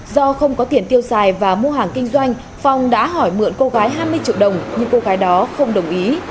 do không có tiền tiêu xài và mua hàng kinh doanh phong đã hỏi mượn cô gái hai mươi triệu đồng nhưng cô gái đó không đồng ý